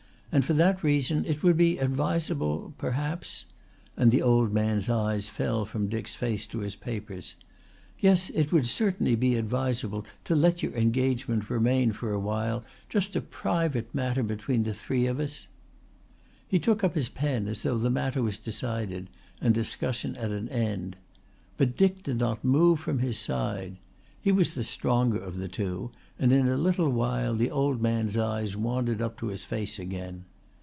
And for that reason it would be advisable perhaps" and the old man's eyes fell from Dick's face to his papers "yes, it would certainly be advisable to let your engagement remain for a while just a private matter between the three of us." He took up his pen as though the matter was decided and discussion at an end. But Dick did not move from his side. He was the stronger of the two and in a little while the old man's eyes wandered up to his face again.